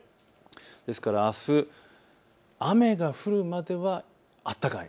ですから、あす、雨が降るまでは暖かい。